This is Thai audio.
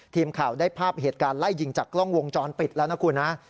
ทีมข่าวได้ภาพเหตุการณ์ไล่ยิงจากกล้องวงจรปิดแล้วนะคุณนะ